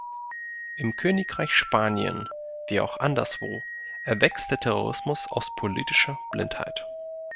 Im Königreich Spanien wie auch anderswo erwächst der Terrorismus aus politischer Blindheit.